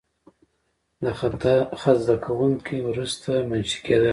د خط زده کوونکي وروسته منشي کېدل.